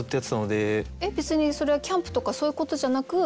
えっ別にそれはキャンプとかそういうことじゃなく？